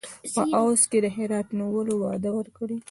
په عوض کې د هرات نیولو وعده ورکړي.